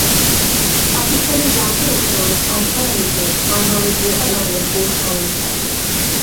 পাকিস্তানের ওয়ানডে অধিনায়ক আজহার আলীকে আর্মারে বোকা বানিয়ে বোল্ড করেন সাকিব।